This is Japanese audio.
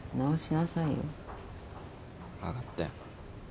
分かったよ。